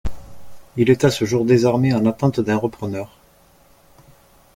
Il est à ce jour désarmé et en attente d'un repreneur.